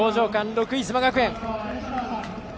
６位、須磨学園。